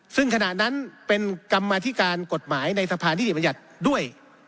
ซึ่งขณะนั้นเป็นกรรมมาธิการกฎหมายในสะพานที่เดียวมัญญัติด้วย